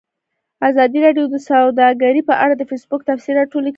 ازادي راډیو د سوداګري په اړه د فیسبوک تبصرې راټولې کړي.